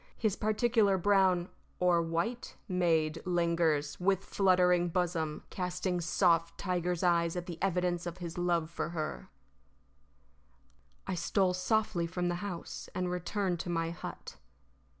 . His particular brown or white maid lingers, with fluttering bosom, casting soft tiger's eyes at the evidence of his love for her_. I stole softly from the house and returned to my hut.